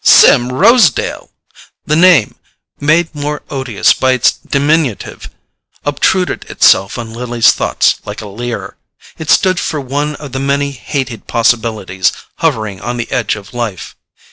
SIM ROSEDALE! The name, made more odious by its diminutive, obtruded itself on Lily's thoughts like a leer. It stood for one of the many hated possibilities hovering on the edge of life.